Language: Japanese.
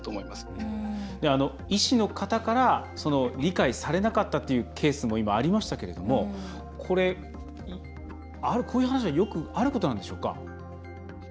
医師の方から理解されなかったというケースも今、ありましたけれどもこういう話はよくあることなんでしょうか？